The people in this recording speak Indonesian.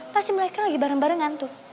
pasti mereka lagi bareng barengan tuh